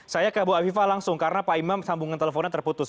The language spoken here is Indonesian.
saya ke bu afifah langsung karena pak imam sambungan teleponnya terputus